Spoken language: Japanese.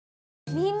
みんな！